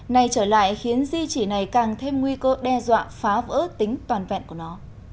này trở lại khiến di trị này càng thêm nguy cơ đe dọa phá vỡ tính toàn vẹn của nó